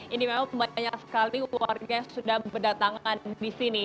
ini memang banyak sekali warga yang sudah berdatangan di sini